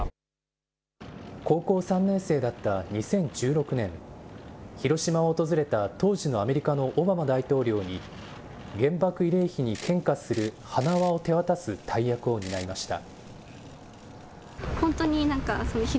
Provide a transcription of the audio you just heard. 高校３年生だった２０１６年、広島を訪れた当時のアメリカのオバマ大統領に、原爆慰霊碑に献花する花輪を手渡す大役を担いました。